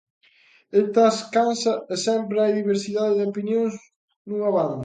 Estás cansa e sempre hai diversidade de opinións nunha banda.